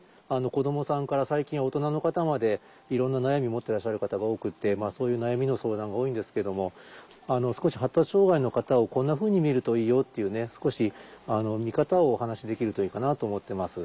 子どもさんから最近は大人の方までいろんな悩み持っていらっしゃる方が多くてそういう悩みの相談が多いんですけども少し発達障害の方をこんなふうに見るといいよっていう少し見方をお話しできるといいかなと思っています。